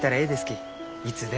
いつでも。